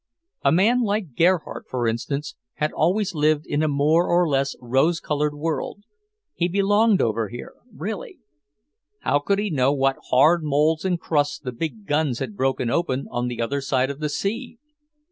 A man like Gerhardt, for instance, had always lived in a more or less rose colored world; he belonged over here, really. How could he know what hard moulds and crusts the big guns had broken open on the other side of the sea?